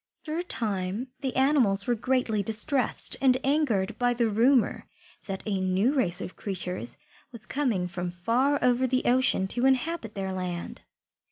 After a time the animals were greatly distressed and angered by the rumour that a new race of creatures was coming from far over the ocean to inhabit their land.